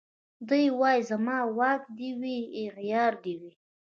دی وايي زما واک دي وي اغيار دي وي